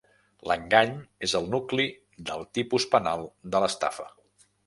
L'engany és el nucli del tipus penal de l'estafa.